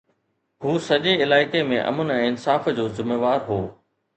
هو سڄي علائقي ۾ امن ۽ انصاف جو ذميوار هو.